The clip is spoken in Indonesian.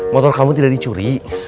motor kamu tidak dicuri